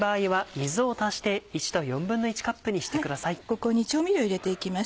ここに調味料を入れて行きます。